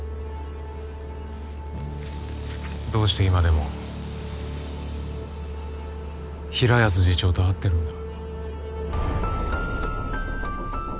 どうして今でも平安次長と会ってるんだ？